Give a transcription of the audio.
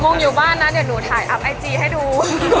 งงอยู่บ้านนะเดี๋ยวหนูถ่ายอัพไอจีให้ดู